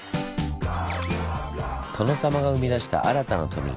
殿様が生み出した新たな富。